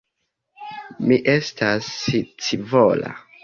Mi estas scivola.